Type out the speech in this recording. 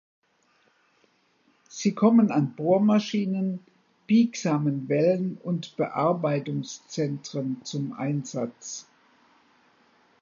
Sie kommen an Bohrmaschinen, biegsamen Wellen und Bearbeitungszentren zum Einsatz.